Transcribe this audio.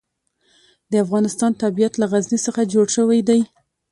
د افغانستان طبیعت له غزني څخه جوړ شوی دی.